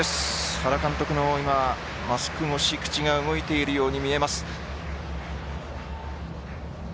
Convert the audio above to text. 原監督のマスク越し口が動いているように見えます。